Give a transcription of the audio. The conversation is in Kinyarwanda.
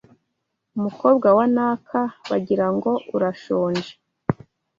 Umukobwa wa Naka Bagira ngo urashonje